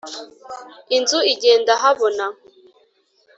inzu igenda habona